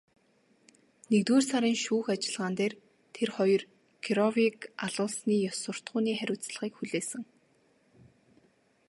Нэгдүгээр сарын шүүх ажиллагаан дээр тэр хоёр Кировыг алуулсны ёс суртахууны хариуцлагыг хүлээсэн.